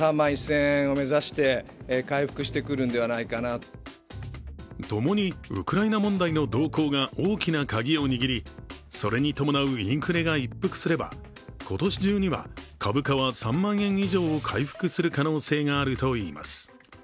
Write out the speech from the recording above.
ともに、ウクライナ問題の動向が大きなカギを握り、それに伴うインフレが一服すれば今年中には株価は３万円以上を回復する可能性があるといいます。